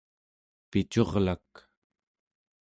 picurlak